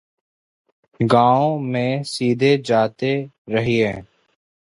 गाँव में सीधे जाते रहिए।